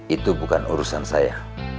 itu bukan urusan saya